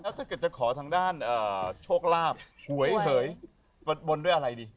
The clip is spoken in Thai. ถ้าเกิดจะขอทางด้านโชคลาภหวยเหยบนด้วยอะไรดี